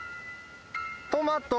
トマト。